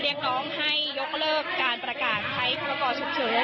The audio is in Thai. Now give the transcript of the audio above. เรียกร้องให้ยกเลิกการประกาศใช้พรกรฉุกเฉิน